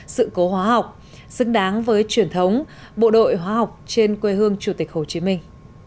sự cố hóa học xứng đáng với truyền thống bộ đội hóa học trên quê hương chủ tịch hồ chí minh